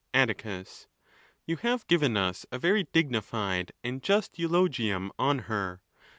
Atticus ——You have given us a very dignified and just eulogium on her.